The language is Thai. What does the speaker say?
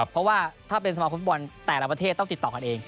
เพราะว่าถ้าเป็นสมาคมฟุตบอลแต่ละประเทศต้องติดต่อกันเอง